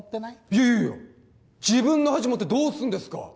いやいやいや自分の恥盛ってどうすんですか？